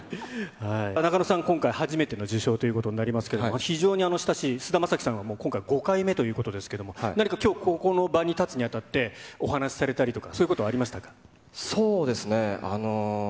仲野さん、今回、初めての受賞ということになりますけれども、非常に親しい菅田将暉さんが今回、５回目ということですけれども、何かきょう、この場に立つにあたって、お話されたりとか、そういそうですね。